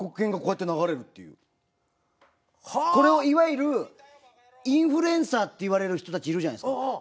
これをいわゆるインフルエンサーっていわれる人たちいるじゃないすか。